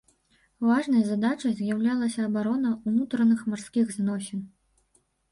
Важнай задачай з'яўлялася абарона ўнутраных марскіх зносін.